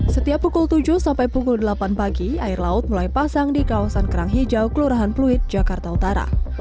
setiap pukul tujuh sampai pukul delapan pagi air laut mulai pasang di kawasan kerang hijau kelurahan pluit jakarta utara